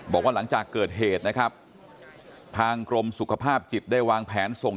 บอกว่าหลังจากเกิดเหตุนะครับทางกรมสุขภาพจิตได้วางแผนส่ง